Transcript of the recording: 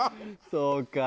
そうか。